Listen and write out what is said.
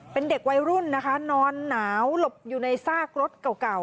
เป็นเด็กวัยรุ่นนะคะนอนหนาวหลบอยู่ในซากรถเก่า